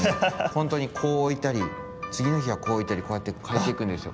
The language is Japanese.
ほんとにこうおいたりつぎのひはこうおいたりこうやってかえていくんですよ。